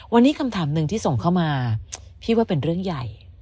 วันนี้คำถามหนึ่งที่ส่งเข้ามาพี่ว่าเป็นเรื่องใหญ่